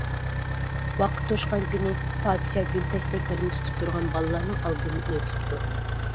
ۋاقىت توشقان كۈنى پادىشاھ گۈل تەشتەكلىرىنى تۇتۇپ تۇرغان بالىلارنىڭ ئالدىدىن ئۆتۈپتۇ.